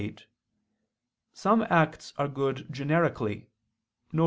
8), some acts are good generically, viz.